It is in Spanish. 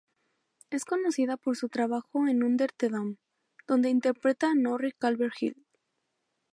Es conocida por su trabajo en "Under the Dome", donde interpreta a Norrie Calvert-Hill.